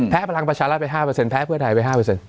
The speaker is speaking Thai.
พลังประชารัฐไป๕แพ้เพื่อไทยไป๕